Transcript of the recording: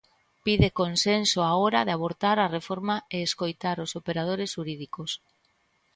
Pide consenso á hora de abordar a reforma e escoitar os operadores xurídicos.